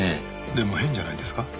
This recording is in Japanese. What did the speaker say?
でも変じゃないですか？